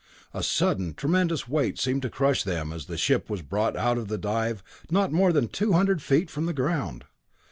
A sudden tremendous weight seemed to crush them as the ship was brought out of the dive not more than two hundred feet from the ground.